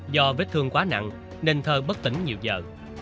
do vết thương quá nặng nên thơ bất tỉnh nhiều giờ